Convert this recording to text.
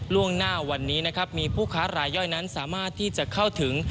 ล่วงหน้าวันนี้นะครับมีผู้ค้ารายย่อยนั้นสามารถที่จะเข้าถึง